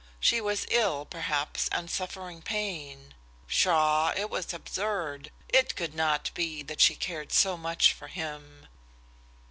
She was ill, perhaps, and suffering pain. Pshaw! it was absurd, it could not be that she cared so much for him.